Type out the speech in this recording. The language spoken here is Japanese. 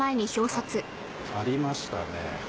ありましたね。